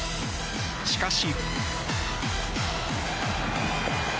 しかし。